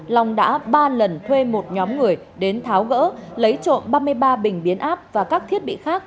long đã ba lần thuê một nhóm người đến tháo gỡ lấy trộm ba mươi ba bình biến áp và các thiết bị khác